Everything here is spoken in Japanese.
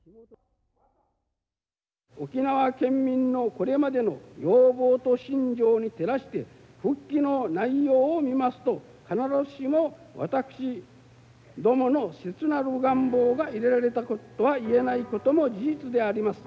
沖縄県民のこれまでの要望と心情に照らして復帰の内容を見ますと必ずしも私どもの切なる願望が入れられたとは言えないことも事実であります。